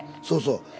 そうそう。